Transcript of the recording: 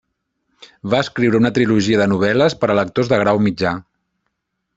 Va escriure una trilogia de novel·les per a lectors de grau mitjà.